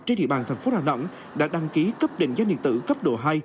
trên địa bàn thành phố đà nẵng đã đăng ký cấp định danh điện tử cấp độ hai